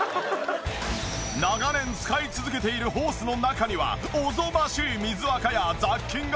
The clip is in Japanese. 長年使い続けているホースの中にはおぞましい水垢や雑菌がびっしり！